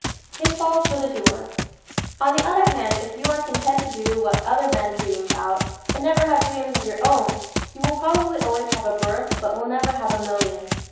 Pitfalls for the Doer ¶ On the other hand if you are content to do what other men dream about and never have dreams of your own you will probably always have a berth but will never have a million.